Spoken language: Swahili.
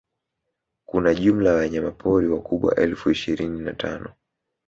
kuna jumla ya wanyamapori wakubwa elfu ishirini na tano